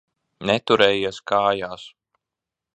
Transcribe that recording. Neturējies kājās.